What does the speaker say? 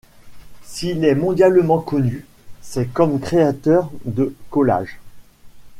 S'il est mondialement connu c'est comme créateur de collages.